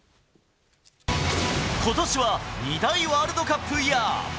ことしは２大ワールドカップイヤー。